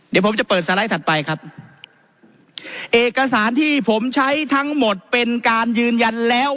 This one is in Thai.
เดี๋ยวผมจะเปิดสไลด์ถัดไปครับเอกสารที่ผมใช้ทั้งหมดเป็นการยืนยันแล้ว